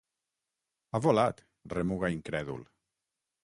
Ha volat —remuga incrèdul—.